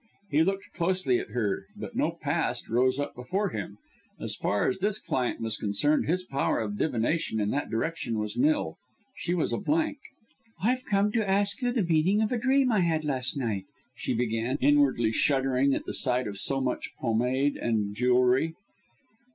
He looked closely at her, but no past rose up before him as far as this client was concerned his power of divination in that direction was nil she was a blank. "I've come to ask you the meaning of a dream I had last night," she began, inwardly shuddering at the sight of so much pomade and jewellery.